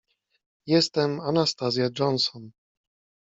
"Jestem Anastazja Johnson."